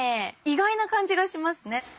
意外な感じがしますね。